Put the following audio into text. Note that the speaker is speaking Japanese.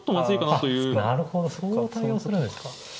なるほどそう対応するんですか。